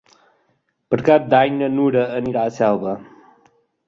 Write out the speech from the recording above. Per Cap d'Any na Nura anirà a Selva.